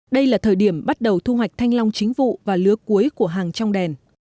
đây là thời điểm bắt đầu thu hoạch thanh long chính vụ và lứa cuối của hàng trong đèn